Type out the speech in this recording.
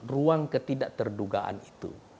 ruang ketidak terdugaan itu